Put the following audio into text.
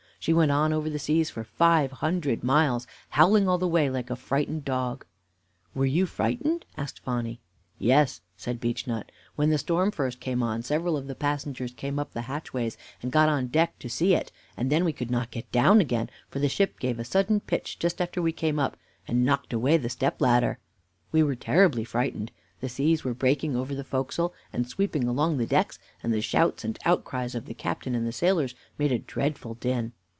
She went on over the seas for five hundred miles, howling all the way like a frightened dog." "Were you frightened?" asked Phonny. "Yes," said Beechnut. "When the storm first came on, several of the passengers came up the hatchways and got up on the deck to see it; and then we could not get down again, for the ship gave a sudden pitch just after we came up, and knocked away the step ladder. We were terribly frightened. The seas were breaking over the forecastle and sweeping along the decks, and the shouts and outcries of the captain and the sailors made a dreadful din.